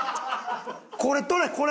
これ取れ！